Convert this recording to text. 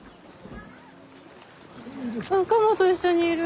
カモと一緒にいる。